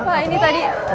pak ini tadi